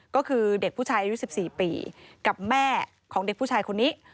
ก็คือเด็กผู้ชายอายุ๑๔ปีกับแม่ของเด็กผู้ชายคนนี้